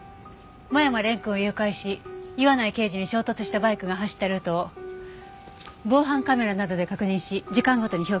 間山蓮くんを誘拐し岩内刑事に衝突したバイクが走ったルートを防犯カメラなどで確認し時間ごとに表記しました。